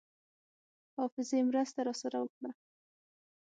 حافظې مرسته راسره وکړه.